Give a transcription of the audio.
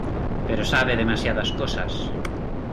pero sabe demasiadas cosas.